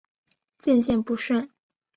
渐渐不顺